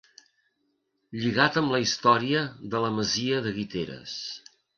Lligat amb la història de la Masia de Guiteres.